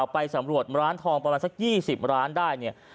ไปสำรวจร้านทองประมาณสัก๒๐ร้านได้เนี่ย